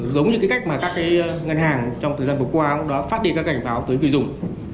giống như cái cách mà các cái ngân hàng trong thời gian vừa qua cũng đã phát đi các cảnh báo tới người dùng